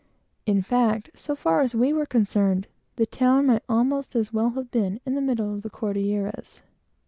In fact, so far as we were concerned, the town might almost as well have been in the middle of the Cordilleras.